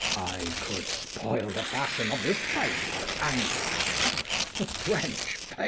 I could spoil the fashion of this face for anger. A French face